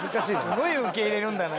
すごい受け入れるんだな。